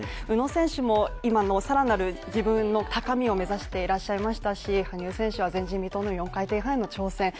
宇野選手もさらなる自分の高みを目指していらっしゃいましたし羽生選手は前人未到の４回転半への挑戦。